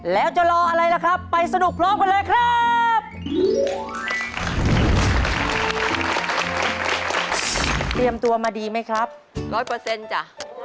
เตรียมตัวมาดีไหมครับ๑๐๐จ้ะ